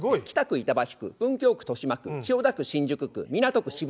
北区板橋区文京区豊島区千代田区新宿区港区